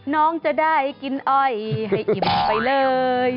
น้องจะได้กินอ้อยให้อิ่มไปเลย